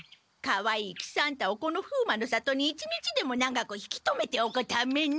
かわいい喜三太をこの風魔の里に一日でも長く引き止めておくために。